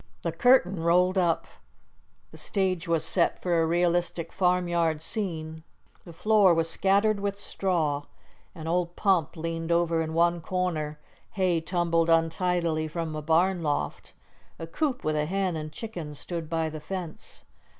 The curtain rolled up. The stage was set for a realistic farmyard scene. The floor was scattered with straw, an old pump leaned over in one corner, hay tumbled untidily from a barn loft, a coop with a hen and chickens stood by the fence.